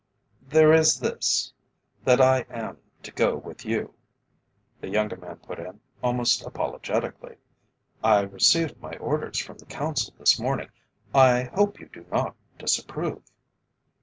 "There is this that I am to go with you," the younger man put in, almost apologetically. "I received my orders from the Council this morning. I hope you do not disapprove?"